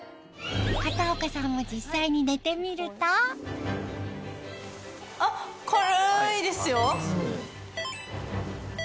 片岡さんも実際に寝てみるとあっ軽いですよ。